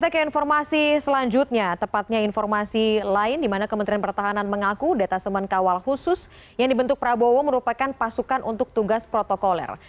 kita ke informasi selanjutnya tepatnya informasi lain di mana kementerian pertahanan mengaku data semen kawal khusus yang dibentuk prabowo merupakan pasukan untuk tugas protokoler